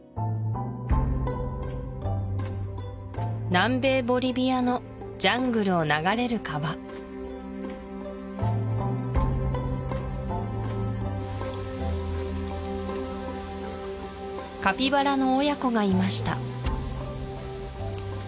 南米ボリビアのジャングルを流れる川カピバラの親子がいました